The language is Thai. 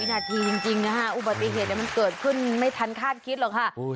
นาทีจริงนะฮะอุบัติเหตุมันเกิดขึ้นไม่ทันคาดคิดหรอกค่ะ